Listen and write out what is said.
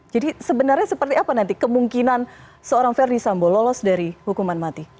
jadi sebenarnya seperti apa nanti kemungkinan seorang verdi sambo lolos dari hukuman mati